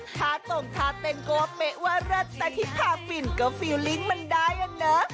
ทาต่งทาเต็มก็ไม่ว่ารักแต่ทิภาพฟินก็ฟิลลิ้งค์มันได้อะเนอะ